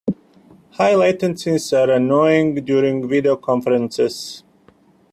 High latencies are annoying during video conferences.